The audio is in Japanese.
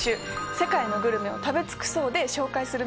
「世界のグルメを食べ尽くそう！」で紹介するメニューに決定！